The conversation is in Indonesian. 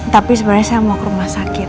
tapi sebenarnya saya mau ke rumah sakit